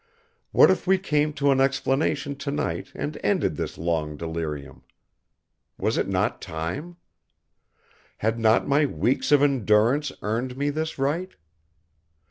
What if we came to an explanation tonight and ended this long delirium? Was it not time? Had not my weeks of endurance earned me this right?